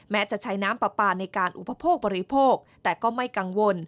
จะใช้น้ำปลาปลาในการอุปโภคบริโภคแต่ก็ไม่กังวล